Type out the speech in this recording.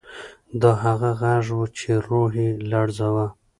دا هغه غږ و چې روح یې لړزاوه.